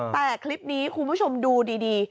แต่คลิปนี้คุณผู้ชมดูดี